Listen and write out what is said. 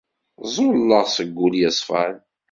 Ẓẓulleɣ seg wul yeṣfan!